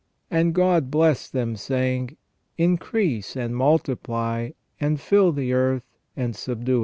And " God blessed them, saying : Increase and multiply, and fill the earth, and subdue it